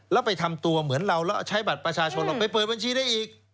แล้วไปทำตัวเหมือนเราแล้วใช้บัตรประชาชนเราไปเปิดบัญชีได้อีก